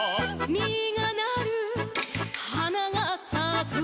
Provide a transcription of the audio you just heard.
「みがなるはながさく」